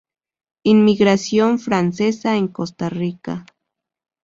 Inmigración francesa en Costa Rica